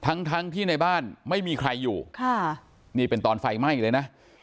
ทั้งทั้งที่ในบ้านไม่มีใครอยู่ค่ะนี่เป็นตอนไฟไหม้เลยนะ